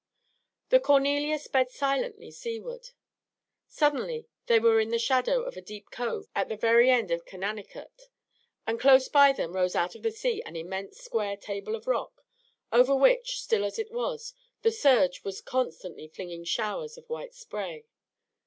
The "Cornelia" sped silently seaward. Suddenly they were in the shadow of a deep cove at the very end of Conanicut; and close by them rose out of the sea an immense square table of rock, over which, still as it was, the surge was constantly flinging showers of white spray.